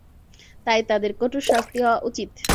তাই তাদের কঠোর শাস্তি হওয়া উচিত।